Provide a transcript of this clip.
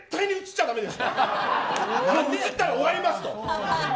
もう映ったら終わりますと。